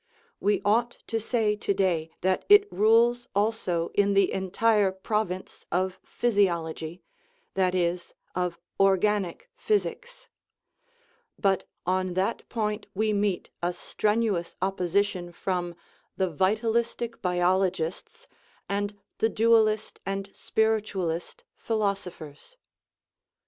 We ought to say to day that it rules also in the entire prov ince of physiology that is, of "organic physics"; but on that point we meet a strenuous opposition from the vitalistic biologists and the dualist and spiritualist 213 THE RIDDLE OF THE UNIVERSE philosophers.